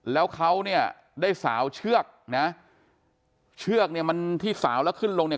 แล้วเขาเนี่ยได้สาวเชือกนะเชือกเนี่ยมันที่สาวแล้วขึ้นลงเนี่ย